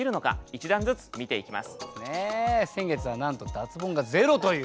一段ずつ見ていきます。